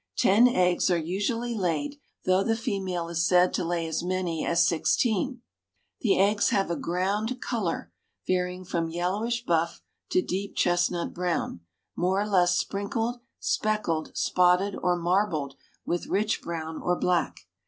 Ten eggs are usually laid, though the female is said to lay as many as sixteen. The eggs have a ground color varying from yellowish buff to deep chestnut brown, more or less sprinkled, speckled, spotted, or marbled with rich brown or black.